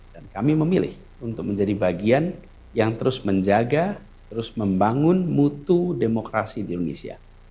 dan kami memilih untuk menjadi bagian yang terus menjaga terus membangun mutu demokrasi di indonesia